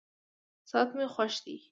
ساعت مي خوښ دی.